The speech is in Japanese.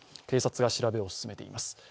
警察が調べを進めています。